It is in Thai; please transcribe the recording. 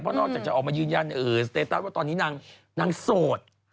เพราะนอกจากจะออกมายืนยันว่าตอนนี้นางโสด